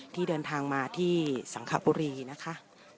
ที่เดินทางมาที่สังขบุรีนะคะ